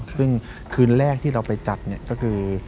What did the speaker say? ซึ่งคืนแรกที่เราไปจัดก็คือ